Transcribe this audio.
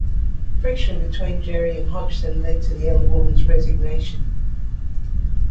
Friction between Gerrie and Hodgson led to the elder woman's resignation.